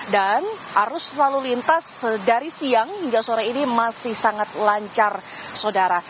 dan arus lalu lintas dari siang hingga sore ini masih sangat lancar saudara